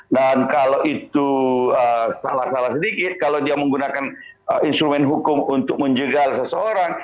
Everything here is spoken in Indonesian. dan kalau itu salah salah sedikit kalau dia menggunakan instrumen hukum untuk menjegal seseorang